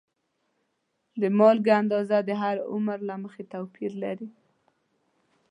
د مالګې اندازه د هر عمر له مخې توپیر لري.